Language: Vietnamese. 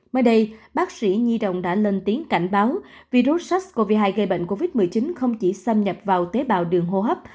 mới đây bác sĩ nhi đồng đã lên tiếng cảnh báo virus sars cov hai gây bệnh covid một mươi chín không chỉ xâm nhập vào tế bào đường hô hấp